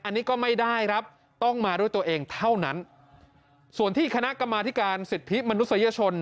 อันนี้ก็ไม่ได้ครับต้องมาด้วยตัวเองเท่านั้นส่วนที่คณะกรรมาธิการสิทธิมนุษยชน